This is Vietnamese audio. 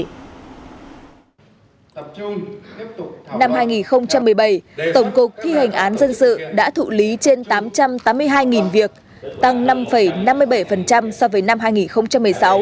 năm hai nghìn một mươi bảy tổng cục thi hành án dân sự đã thụ lý trên tám trăm tám mươi hai việc tăng năm năm mươi bảy so với năm hai nghìn một mươi sáu